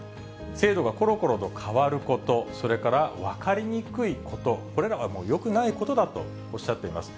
制度がころころと変わること、それから分かりにくいこと、これらはよくないことだとおっしゃっています。